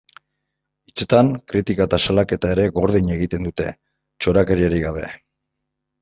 Hitzetan, kritika eta salaketa ere gordin egiten dute, txorakeriarik gabe.